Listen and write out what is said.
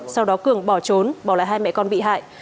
sau đó cường bỏ trốn bỏ lại hai mẹ con bị hại